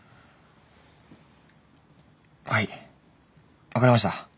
はい分かりました。